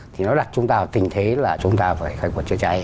thì nó đặt chúng ta vào tình thế là chúng ta phải khai quật chữa cháy